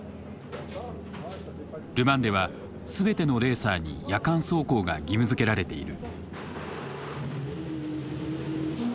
ル・マンでは全てのレーサーに夜間走行が義務づけられている。